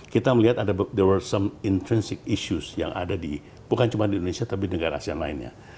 kita melihat ada there were some intrinsic issues yang ada di bukan cuma di indonesia tapi di negara asean lainnya